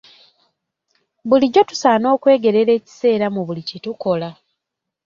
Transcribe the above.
Bulijjo tusaana okwegerera ekiseera mu buli kye tukola.